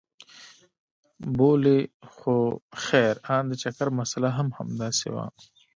بولې خو خير ان د چکر مساله هم همداسې وه.